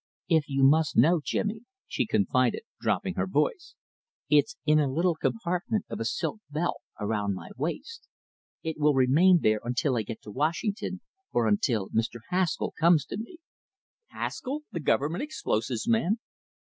"If you must know, Jimmy," she confided, dropping her voice, "it's in a little compartment of a silk belt around my waist. It will remain there until I get to Washington, or until Mr. Haskall comes to me." "Haskall, the Government explosives man?"